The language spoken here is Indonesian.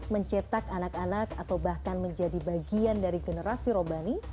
mencetak anak anak atau bahkan menjadi bagian dari generasi robani